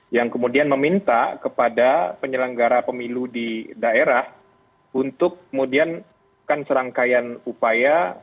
yang kemudian meminta kepada penyelenggara pemilu di daerah untuk kemudian kan serangkaian upaya